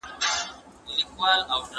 زه بايد لوبه وکړم!!